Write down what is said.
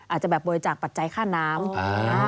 อาจจะแบบบริจาคปัจจัยค่าน้ำ